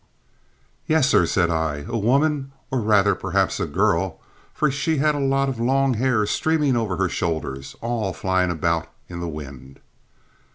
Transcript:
"Yes, sir," said I. "A woman, or rather, perhaps a girl, for she had a lot of long hair streaming over her shoulders, all flying about in the wind."